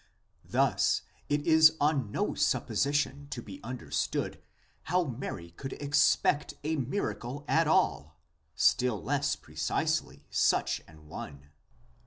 Thus it is on no supposition to be understood how Mary could expect a miracle at all, still less precisely such an one.